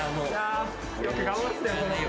よく頑張ったよ。